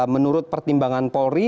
menurut pertimbangan polri